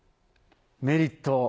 メリット